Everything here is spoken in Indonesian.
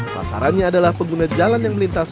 sasarannya adalah pengguna jalan yang melintas